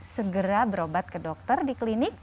segera berobat ke dokter di klinik